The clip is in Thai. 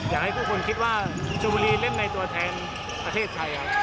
อยากให้ทุกคนคิดว่าชมบุรีเล่นในตัวแทนประเทศไทย